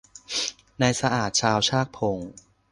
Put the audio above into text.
นายสะอาดชาวชากพง